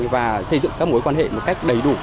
và xây dựng các mối quan hệ một cách đầy đủ